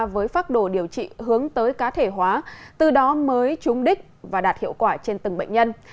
với phác đồ điều trị hướng tới cá thể hóa từ đó mới trúng đích và đạt hiệu quả trên từng bệnh nhân